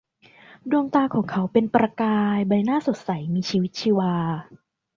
ดวงตาของเขาเป็นประกาย ใบหน้าสดใสมีชีวิตชีวา